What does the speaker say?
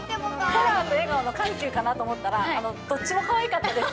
ホラーと笑顔の緩急かなと思ったら、どっちもかわいかったです。